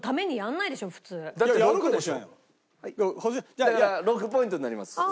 だから６ポイントになります。